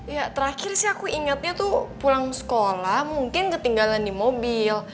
ya terakhir sih aku ingatnya tuh pulang sekolah mungkin ketinggalan di mobil